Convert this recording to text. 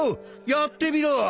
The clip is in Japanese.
やってみろ！